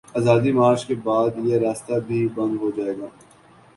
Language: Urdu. آزادی مارچ کے بعد، یہ راستہ بھی بند ہو جائے گا۔